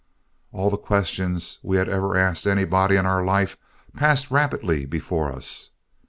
All the questions we had ever asked anybody in our life passed rapidly before us.